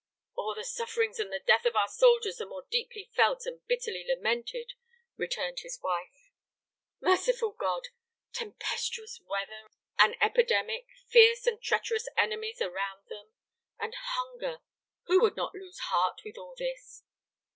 "Or the sufferings and the death of our soldiers the more deeply felt and bitterly lamented," returned his wife. "Merciful God! Tempestuous weather, an epidemic, fierce and treacherous enemies around them, and hunger! Who would not lose heart with all this?"